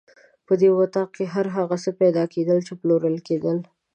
په دغه اطاق کې هر هغه څه پیدا کېدل چې پلورل کېدل.